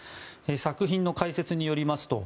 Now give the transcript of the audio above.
作品の解説によりますと